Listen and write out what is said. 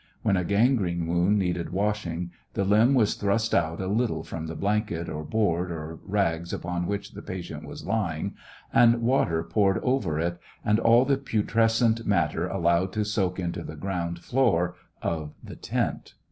When a gangrene wound needed washing the limb was thrust out a little from the blanket, or board, or rags upon which the patient was lying, and water poured over it, and all the putrescent matter allowed to soak into the ground floor of the tent.